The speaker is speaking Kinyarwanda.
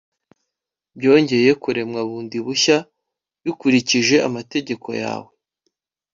byongeye kuremwa bundi bushya bikurikije amategeko yawe